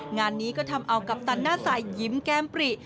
งานนี้ก็ทำเอากัปตันหน้าสายยิ้มแก้มปริ